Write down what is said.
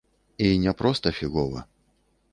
І не проста фігова.